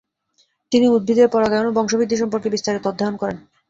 তিনি উদ্ভিদের পরাগায়ন ও বংশবৃদ্ধি সম্পর্কে বিস্তারিত অধ্যয়ন করেন।